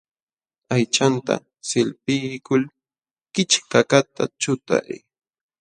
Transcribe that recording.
Aychanta sillpiykul kichkakaqta chutay.